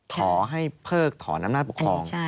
ขอให้เพิกถอนอำนาจปกครอง